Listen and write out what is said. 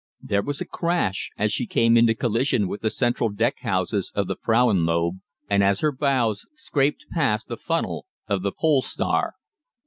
There was a crash as she came into collision with the central deckhouses of the 'Frauenlob' and as her bows scraped past the funnel of the 'Pole Star.'